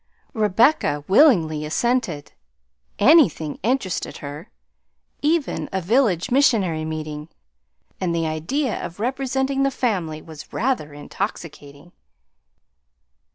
Rebecca willingly assented. Anything interested her, even a village missionary meeting, and the idea of representing the family was rather intoxicating.